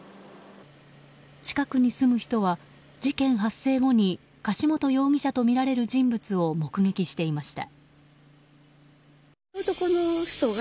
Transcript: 近くに住む人は事件発生後に柏本容疑者とみられる人物を目撃していました。